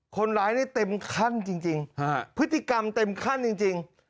คนร้ายนี่เต็มขั้นจริงพฤติกรรมเต็มขั้นจริง